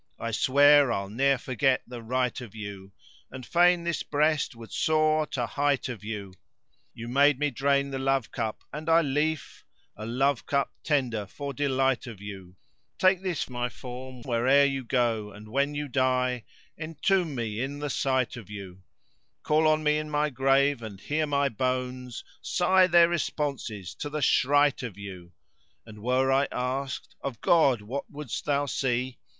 I swear I'll ne'er forget the right of you; * And fain this breast would soar to height of you: You made me drain the love cup, and I lief * A love cup tender for delight of you: Take this my form where'er you go, and when * You die, entomb me in the site of you: Call on me in my grave, and hear my bones * Sigh their responses to the shright of you: And were I asked 'Of God what wouldst thou see?'